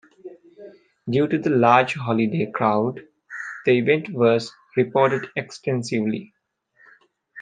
Due to the large holiday crowd, the event was reported extensively.